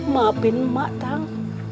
maafin mak tang